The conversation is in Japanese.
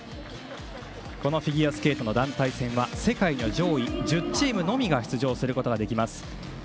フィギュアスケートの団体戦は世界の上位１０チームのみが出場することができます。